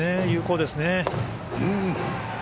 有効ですね。